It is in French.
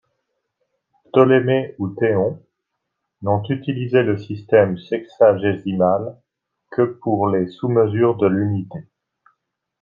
Ptolémée ou Théon n'ont utilisé le système sexagésimal que pour les sous-mesures de l'unité.